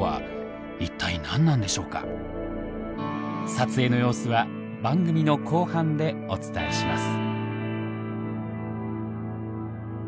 撮影の様子は番組の後半でお伝えします。